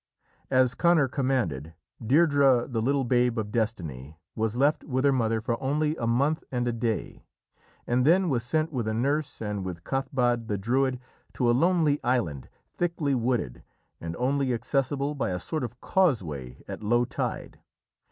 As Conor commanded, Deirdrê, the little "babe of destiny," was left with her mother for only a month and a day, and then was sent with a nurse and with Cathbad the Druid to a lonely island, thickly wooded, and only accessible by a sort of causeway at low tide.